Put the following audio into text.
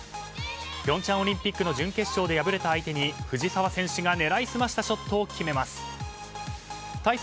平昌オリンピックの準決勝で敗れた相手に藤澤選手が狙い澄ましたショットを決めます。